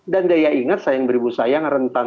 daya ingat sayang beribu sayang rentan